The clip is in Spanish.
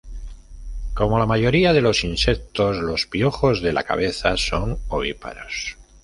Como la mayoría de los insectos, los piojos de la cabeza son ovíparos.